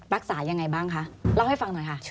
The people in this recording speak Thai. รักษายังไงบ้างคะเล่าให้ฟังหน่อยค่ะ